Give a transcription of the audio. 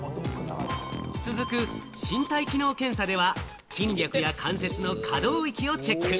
続く身体機能検査では、筋力や関節の可動域をチェック。